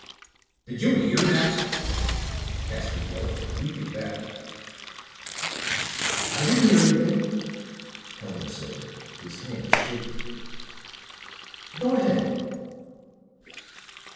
"Did you hear that?" Casker yelped, leaping back. "I didn't hear anything," Hellman said, his hands shaking. "Go ahead."